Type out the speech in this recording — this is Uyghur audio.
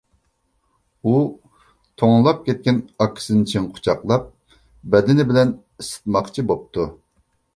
ئۇ توڭلاپ كەتكەن ئاكىسىنى چىڭ قۇچاقلاپ بەدىنى بىلەن ئىسسىتماقچى بوپتۇ.